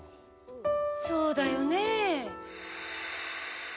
そうだよね。